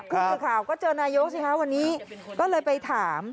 ผู้สื่อข่าวก็เจอนายกสิคะวันนี้ก็เลยไปถาม